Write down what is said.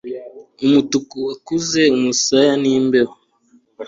umutuku wakuze umusaya n'imbeho